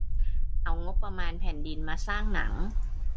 เอางบประมาณแผ่นดิน มาสร้างหนัง